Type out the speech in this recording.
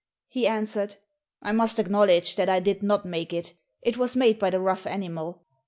He answered, "I must acknowledge that I did not make it, it was made by the rough animal."